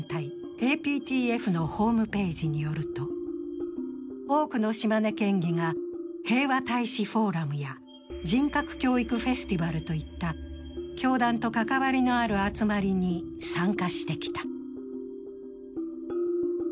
ＡＰＴＦのホームページによると多くの島根県議が平和大使フォーラムや人格教育フェスティバルといった教団と関わりのある集まりに参加してきた。